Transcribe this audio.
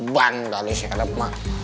bandari serep mak